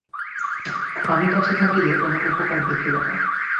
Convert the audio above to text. আমি কাছে থাকিলে কোনো উপকার দেখিবে না।